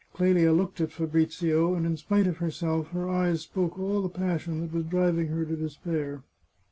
Cleli;. looked at Fabrizio, and in spite of herself, her eyes spoke all the pas sion that was driving her to despair.